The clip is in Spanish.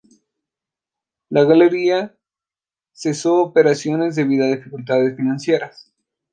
La galería cesó operaciones debido a dificultades financieras.